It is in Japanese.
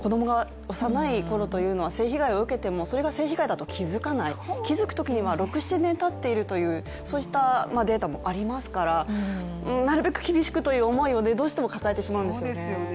特に子供が幼いころというのは性被害を受けてもそれが性被害だと気づかない、気づいたときには６７年たっているということもありますからなるべく厳しくしてほしいと思いますよね。